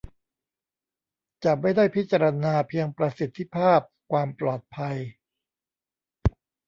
จะไม่ได้พิจารณาเพียงประสิทธิภาพ ความปลอดภัย